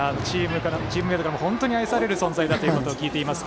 チームメートからも本当に愛される存在だと聞いています。